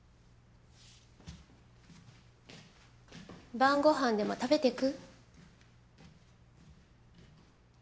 晩ご飯でも食べてく？